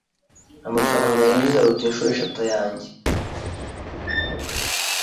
Amafaranga yinjiza aruta inshuro eshatu iyanjye. (Vortarulo)